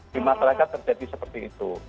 di masyarakat terjadi seperti itu